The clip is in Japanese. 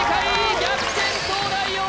逆転東大王！